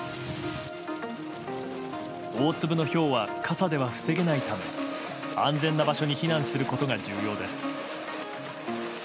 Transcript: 大粒のひょうは傘では防げないため安全な場所に避難することが重要です。